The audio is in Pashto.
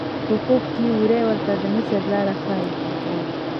په خوب کې وری ورته د مصر لار ښیي.